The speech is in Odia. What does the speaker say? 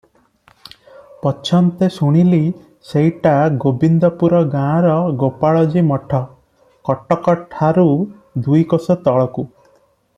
ପଛନ୍ତେ ଶୁଣିଲି, ସେଇଟା ଗୋବିନ୍ଦପୁର ଗାଁର ଗୋପାଳଜୀ ମଠ, କଟକଠାରୁ ଦୁଇକୋଶ ତଳକୁ ।